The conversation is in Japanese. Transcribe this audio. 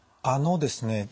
あのですね